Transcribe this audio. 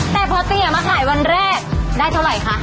แต่พอเสียมาขายวันแรกได้เท่าไหร่คะ